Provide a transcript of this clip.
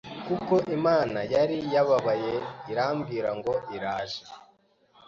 kuko Imana yari yababaye irambwira ngo iraje